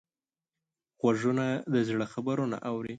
غوږونه د زړه خبرونه اوري